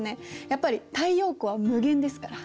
やっぱり太陽光は無限ですから。